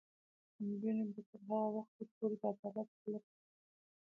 نجونې به تر هغه وخته پورې د عدالت په لټه کې وي.